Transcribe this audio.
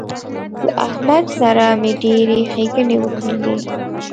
له احمد سره مې ډېرې ښېګڼې وکړلې